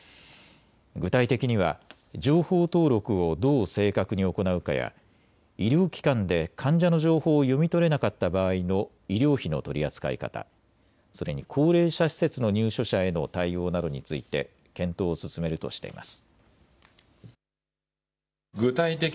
具体的には情報登録をどう正確に行うかや医療機関で患者の情報を読み取れなかった場合の医療費の取り扱い方、それに高齢者施設の入所者への対応などについて検討を進めるとしています。